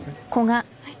はい。